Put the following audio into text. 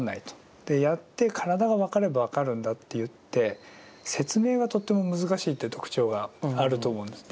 やって体が分かれば分かるんだといって説明がとっても難しいっていう特徴があると思うんです。